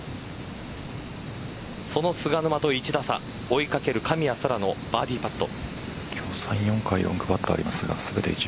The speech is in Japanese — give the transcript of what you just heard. その菅沼と１打差追い掛ける神谷そらのバーディーパット。